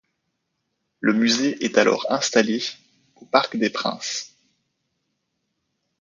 Le musée est alors installé au Parc des Princes.